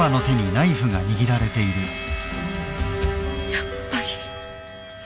やっぱり。